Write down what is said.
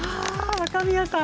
若宮さん